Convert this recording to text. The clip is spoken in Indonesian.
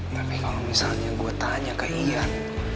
tapi kalo misalnya gua tanya ke ian